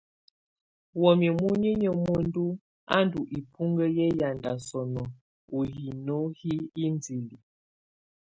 Wamɛ̀á muninyǝ́ muǝndu a ndù ibuŋkǝ yɛ yanda sɔnɔ u hini hi indili.